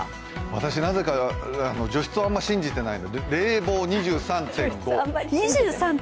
私はなぜか除湿はあまり信じてなくて、冷房２３．５。